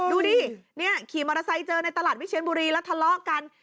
ดูดิเนี่ยขี่มอเตอร์ไซค์เจอในตลาดวิเชียนบุรีแล้วทะเลาะกัน